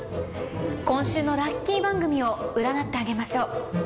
今週のラッキー番組を占ってあげましょう。